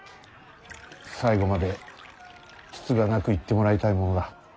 最後までつつがなくいってもらいたいものだ。